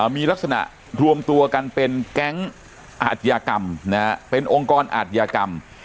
มีลักษณะรวมตัวกันเป็นแก๊งอาชญากรรมเป็นองค์กรอาธิกรรม